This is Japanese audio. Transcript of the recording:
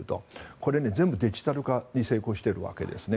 これ、全部デジタル化に成功しているわけですね。